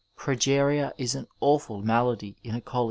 Progeria is an awfol malady in a coU^.